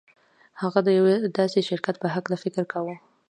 هغه د يوه داسې شرکت په هکله فکر کاوه.